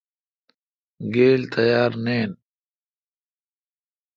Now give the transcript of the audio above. گیل تیار نین۔